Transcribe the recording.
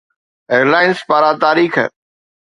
Reliance پاران تاريخ